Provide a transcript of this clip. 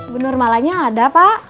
benur malanya ada pak